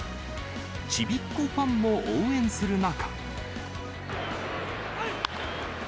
ちびっ子ファンも応援する中。